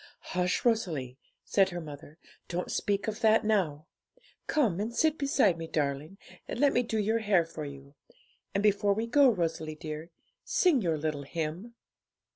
'Hush, Rosalie!' said her mother; 'don't speak of that now. Come and sit beside me, darling, and let me do your hair for you; and before we go, Rosalie dear, sing your little hymn.'